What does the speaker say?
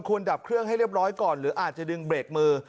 ดับเครื่องให้เรียบร้อยก่อนหรืออาจจะดึงเบรกมือ